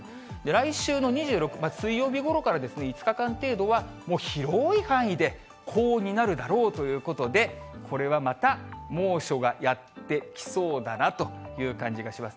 来週の２６日水曜日ごろから５日間程度は、広い範囲で高温になるだろうということで、これはまた猛暑がやって来そうだなという感じがします。